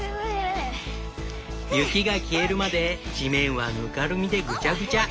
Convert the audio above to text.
雪が消えるまで地面はぬかるみでぐちゃぐちゃ。